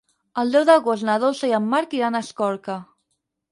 El deu d'agost na Dolça i en Marc iran a Escorca.